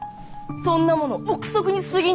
そんなもの臆測にすぎない。